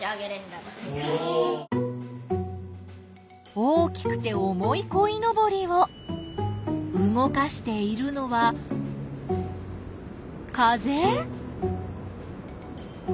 大きくて重いこいのぼりを動かしているのは風？